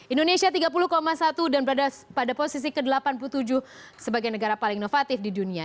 indonesia tiga puluh satu dan berada pada posisi ke delapan puluh tujuh sebagai negara paling inovatif di dunia